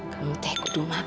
kamu tuh harus makan